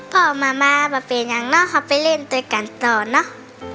พ่อมามาประเป็นยังเนอะเขาไปเล่นด้วยกันต่อเนอะ